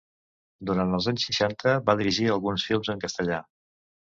Durant els anys seixanta va dirigir alguns films en castellà.